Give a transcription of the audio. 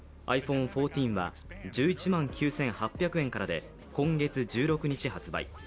ｉＰｈｏｎｅ１４は１１万９８００円からで、今月１６日発売。